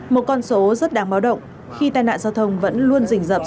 một con số rất đáng báo động khi tai nạn giao thông vẫn luôn dình dập